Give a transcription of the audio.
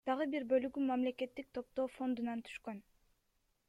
Дагы бир бөлүгү мамлекеттик топтоо фондунан түшкөн.